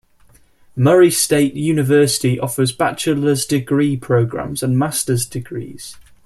Murray State University offers bachelor's degree programs and master's degrees.